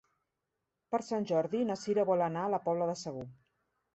Per Sant Jordi na Sira vol anar a la Pobla de Segur.